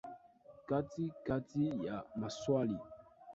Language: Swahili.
Katikati ya maswali